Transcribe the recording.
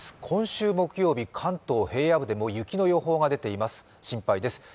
今週木曜日、関東平野部でも雪の予報が出ています。